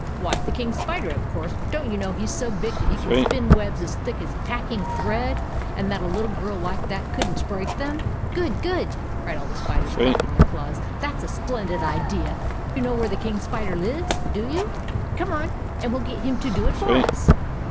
" Why, the King Spider, of course. Don't you know he 's so big that he can spin webs as thick as packing thread, and that a little girl like that could n't break them ?"" Good I Good !" cried all the spiders, clap ping their claws. " That 's a splendid idea ! You know where the King Spider lives, don't you ? Come on, and we '11 get him to do it for us